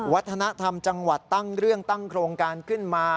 วัฒนธรรมจังหวัดตั้งเรื่องตั้งโครงการขึ้นมา